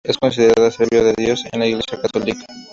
En considerada sierva de Dios en la Iglesia católica.